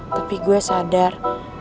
tapi gue sadar